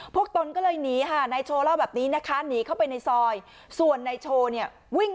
พวกตนก็เลยหนีค่ะนายโทรเล่าแบบนี้นะคะหนีเข้าไปในซอย